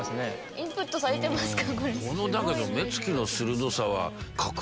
インプットされてますか？